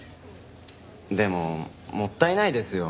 でももったいないですよ。